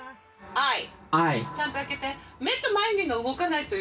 はい。